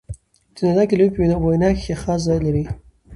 د ندا کلیمې په وینا کښي خاص ځای لري.